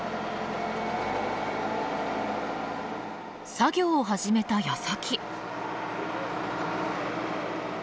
作業を始めた矢先。